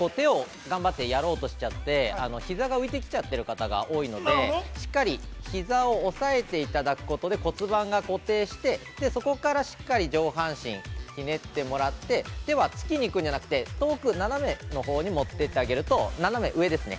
◆ねじってるときに手を頑張ってやろうとしちゃって、ひざが浮いてきちゃってる方が多いのでしっかりひざを押さえていただくことで、骨盤が固定してそこからしっかり上半身ひねってもらって、手はつきにいくんじゃなくて、通す斜めのほうに持って行ってあげると。